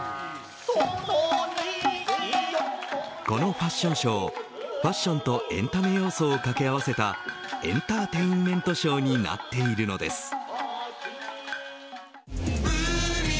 このファッションショーファッションとエンタメ要素を掛け合わせたエンターテインメントショーになっているのです。